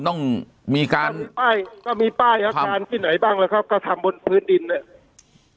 ก็มีป้ายอาคารที่ไหนบ้างครับก็ทำบนพื้นดินเนี่ย